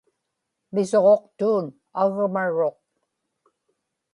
misuġuqtuun agmaruq